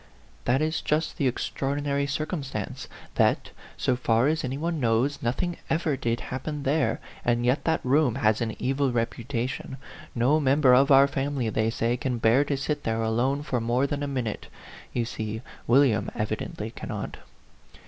"That is just the extraordinary circumstance, that, so far as any one knows, nothing ever did happen there ; and yet that room has an evil reputation. No member of our family, they say, can bear to sit there alone for more than a minute. You see, William evidently cannot."